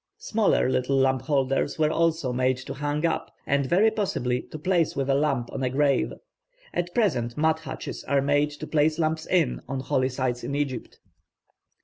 Smaller little lamp holders were also made to hang up, and very possibly to place with a lamp on a grave. At present mud hutches are made to place lamps in on holy sites in Egypt.